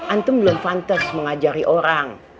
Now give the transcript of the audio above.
antum belum fantas mengajari orang